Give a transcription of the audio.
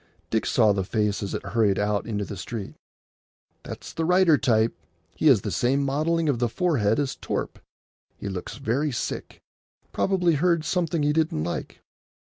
Dick saw the face as it hurried out into the street. "That's the writer type. He has the same modelling of the forehead as Torp. He looks very sick. Probably heard something he didn't like."